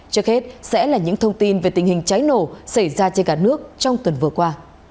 trước hết sẽ là những thông tin về tình hình cháy nổ xảy ra trên cả nước trong tuần vừa qua